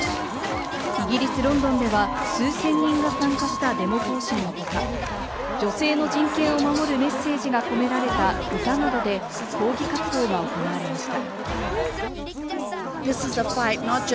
イギリスのロンドンでは数千人が参加したデモ行進のほか、女性の人権を守るメッセージが込められた歌などで抗議活動が行われました。